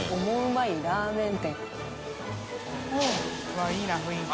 わっいいな雰囲気。